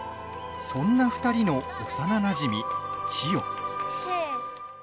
そんな２人の幼なじみ、千代。